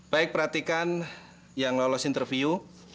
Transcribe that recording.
baik perhatikan yang lolos interview